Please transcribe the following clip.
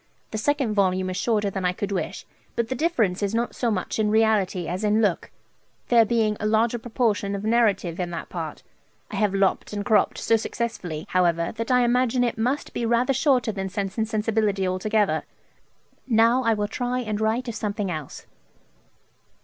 The second volume is shorter than I could wish, but the difference is not so much in reality as in look, there being a larger proportion of narrative in that part. I have lop't and crop't so successfully, however, that I imagine it must be rather shorter than "Sense and Sensibility" altogether. Now I will try and write of something else.'